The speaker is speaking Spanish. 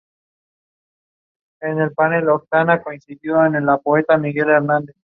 Su estructura es octogonal y los techos están profusamente decorados con pinturas.